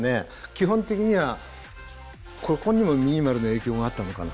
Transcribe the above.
基本的にはここにもミニマルの影響があったのかな。